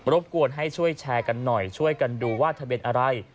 บกวนให้ช่วยแชร์กันหน่อยช่วยกันดูว่าทะเบียนอะไร